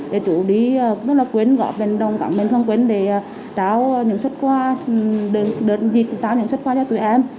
để chủ đi rất là quyến góp bên đồng cả bên thân quyến để tráo những xuất khoa đợt dịch tráo những xuất khoa cho tụi em